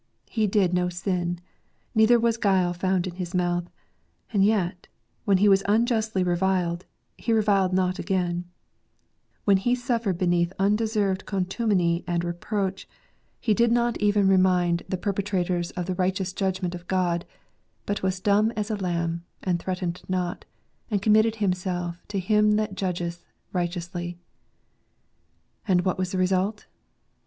He did no sin, neither was guile found in His mouth : and yet, when He was unjustly reviled, He reviled not again; when He suffered beneath undeserved contumely and reproach, He did not even " Artist in tljc lEoritl" T 7 remind the perpetrators of the righteous judgment of God, but was dumb as a lamb, and threatened not, and committed Himself to Him that judgeth righteously And what was the result?